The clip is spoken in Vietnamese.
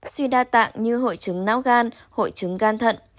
suy đa tạng như hội chứng não gan hội chứng gan thận